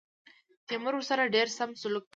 تیمور ورسره ډېر سم سلوک کوي.